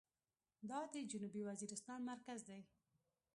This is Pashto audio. دا د جنوبي وزيرستان مرکز دى.